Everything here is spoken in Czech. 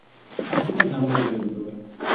Architekt navrhl dvě budovy.